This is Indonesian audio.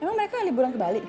emang mereka kali bulan ke bali